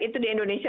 itu di indonesia